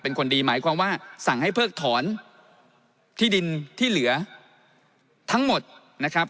เป็นคนดีหมายความว่าสั่งให้เพิกถอนที่ดินที่เหลือทั้งหมดนะครับ